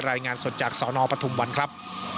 รายงานสดจากสนปฐุมวันครับ